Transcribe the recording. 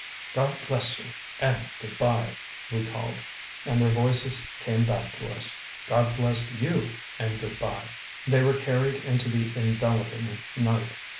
"God bless you, and good bye!" we called. And their voices came back to us. "God bless YOU and good bye!" They were carried into the enveloping night.